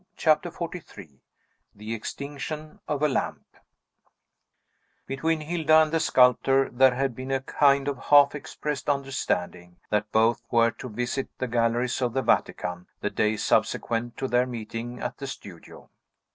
CHAPTER XLIII THE EXTINCTION OF A LAMP Between Hilda and the sculptor there had been a kind of half expressed understanding, that both were to visit the galleries of the Vatican the day subsequent to their meeting at the studio.